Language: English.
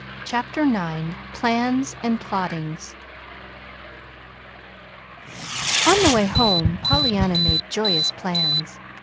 CHAPTER IX PLANS AND PLOTTINGS On the way home Pollyanna made joyous plans.